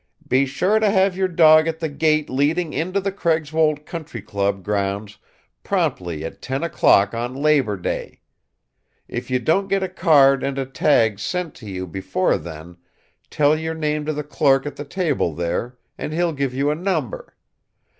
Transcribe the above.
"Be sure to have your dog at the gate leading into the Craigswold Country Club grounds promptly at ten o'clock on Labor Day. If you don't get a card and a tag sent to you, before then, tell your name to the clerk at the table there, and he'll give you a number.